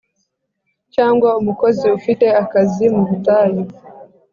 cyangwa umukozi ufite akazi mu butayu,